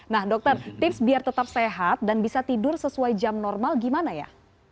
nah dokter tips biar tetap sehat dan bisa tidur sesuai jam normal gimana ya